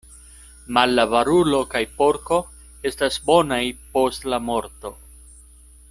Malavarulo kaj porko estas bonaj post la morto.